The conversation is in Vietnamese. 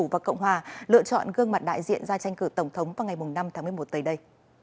và cộng hòa lựa chọn gương mặt đại diện ra tranh cử tổng thống vào ngày năm tháng một mươi một tới đây